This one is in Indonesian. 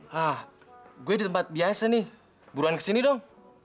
hah gue di tempat biasa nih buruan kesini dong